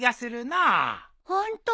ホント？